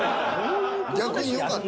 逆によかった？